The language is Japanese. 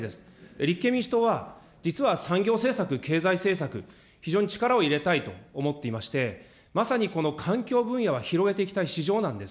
立憲民主党は、実は産業政策、経済政策、非常に力を入れたいと思っていまして、まさにこの環境分野は広げていきたい市場なんです。